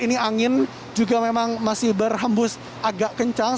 ini angin juga memang masih berhembus agak kencang